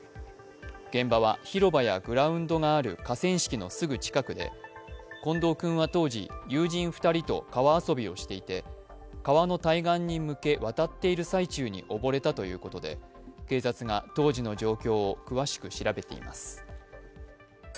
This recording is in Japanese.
現場は広場やグラウンドがある河川敷のすぐ近くで近藤君は当時、友人２人と川遊びをしていて川の対岸に向け渡っている最中に溺れたということで警察が当時の状況を詳しく調べています。